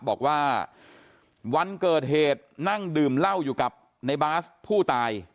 บอกว่าวันเกิดเหตุนั่งดื่มเหล้าอยู่กับในบาสผู้ตาย